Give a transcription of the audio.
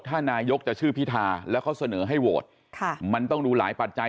ถ้านายกจะชื่อพิธาแล้วเขาเสนอให้โหวตมันต้องดูหลายปัจจัย